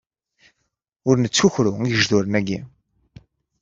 Ur nettkukru igejduren agi.